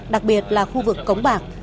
đặc biệt là khu vực cống bạc